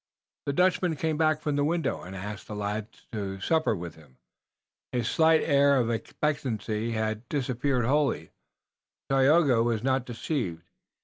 The Dutchman came back from the window, and asked the lads in to supper with him. His slight air of expectancy had disappeared wholly, but Tayoga was not deceived.